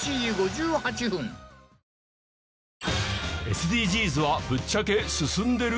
ＳＤＧｓはぶっちゃけ進んでる？